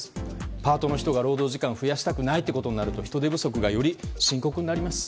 パートの人が労働時間を増やしたくないとなると人手不足がより深刻になります。